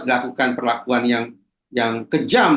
dilakukan perlakuan yang yang kejam